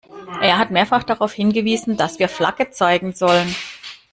Er hat mehrfach darauf hingewiesen, dass wir Flagge zeigen sollen.